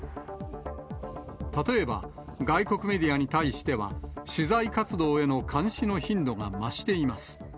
例えば、外国メディアに対しては、取材活動への監視の頻度が増しています。